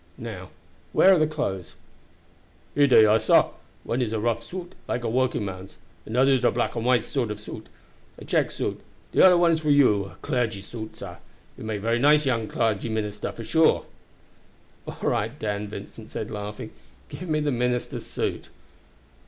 Now, where are the clothes?" "Here day are, sah. One is a rough suit, like a workingman's; another is a black and white sort of suit a check suit; de oder one is for you a clargy's suit, sir. You make very nice young minister, for sure." "All right, Dan!" Vincent said laughing; "give me the minister's suit."